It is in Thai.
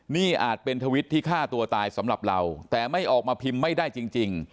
นี่อาจเป็นทวิตที่ฆ่าตัวตายสำหรับเราแต่ไม่ออกมาพิมพ์ไม่ได้จริง